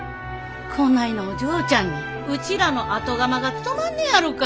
こないなお嬢ちゃんにうちらの後釜が務まんねやろか？